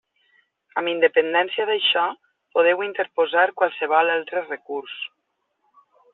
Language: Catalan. Amb independència d'això podeu interposar qualsevol altre recurs.